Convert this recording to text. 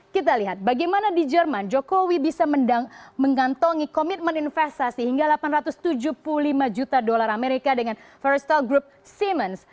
kita lihat bagaimana di jerman jokowi bisa mengantongi komitmen investasi hingga delapan ratus tujuh puluh lima juta dolar amerika dengan verisal group seemens